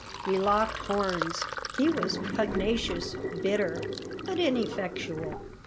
We locked horns. He was pugnacious, bitter, but ineffectual.